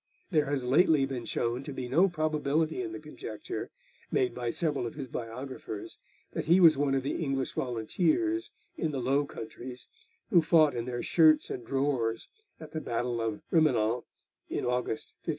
There has lately been shown to be no probability in the conjecture, made by several of his biographers, that he was one of the English volunteers in the Low Countries who fought in their shirts and drawers at the battle of Rimenant in August 1578.